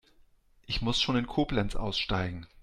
Ich muss schon in Koblenz aussteigen